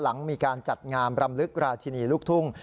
หลังมีการจัดงามรำลึกราชินีลูกทุ่ง